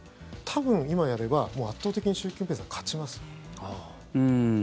多分、今やれば圧倒的に習近平さん勝ちます。